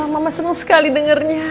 mama seneng sekali dengernya